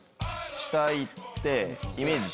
下行ってイメージしてね。